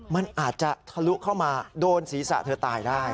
มันอาจจะทะลุเข้ามาโดนศีรษะเธอตายได้